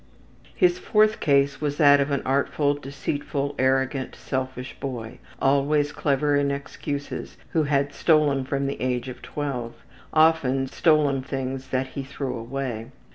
His fourth case was that of an artful, deceitful, arrogant, selfish boy, always clever in excuses, who had stolen from the age of twelve, often stolen things that he threw away.